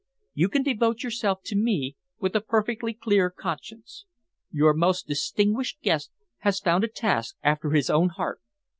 You can devote yourself to me with a perfectly clear conscience. Your most distinguished guest has found a task after his own heart.